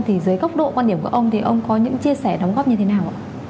thì dưới góc độ quan điểm của ông thì ông có những chia sẻ đóng góp như thế nào ạ